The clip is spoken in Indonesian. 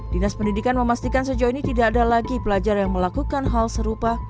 dinas pendidikan memastikan sejauh ini tidak ada lagi pelajar yang melakukan hal serupa